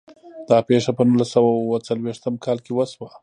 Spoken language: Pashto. دا پیښه په نولس سوه او اووه څلوېښتم کال کې وشوه.